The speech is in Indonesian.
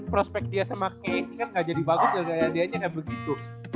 prospek dia sama k a t kan gak jadi bagus ya dia nya gak begitu